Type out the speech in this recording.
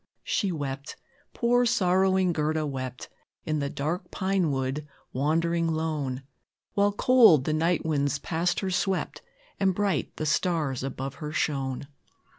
She wept poor, sorrowing Gerda wept, In the dark pine wood wandering lone, While cold the night winds past her swept, And bright the stars above her shone.